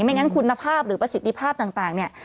งั้นคุณภาพหรือประสิทธิภาพต่างเนี่ย